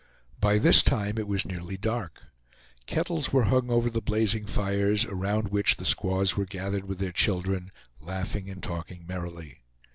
By this time it was nearly dark. Kettles were hung over the blazing fires, around which the squaws were gathered with their children, laughing and talking merrily.